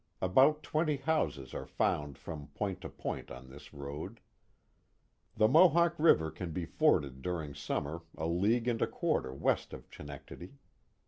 About twenty houses are found from point to point on this road. The Mohawk River can be forded during summer a league and a quarter west of Chenectadi.